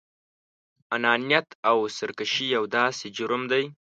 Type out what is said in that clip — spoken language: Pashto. انانيت او سرکشي يو داسې جرم دی.